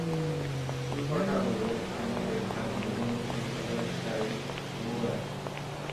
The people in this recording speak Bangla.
চুল কাটা হলে আয়নায় দেখতাম, দুজনের চুল কাটার স্টাইল হুবহু এক।